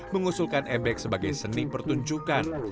mengusulkan ebek sebagai seni pertunjukan